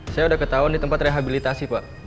saya sudah ketahuan di tempat rehabilitasi pak